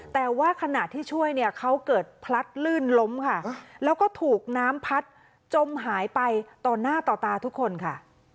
แต่ว่าขณะที่ช่วยเนี่ยเขาเกิดพลัดลื่นล้มค่ะแล้วก็ถูกน้ำพัดจมหายไปต่อหน้าต่อตาทุกคนค่ะ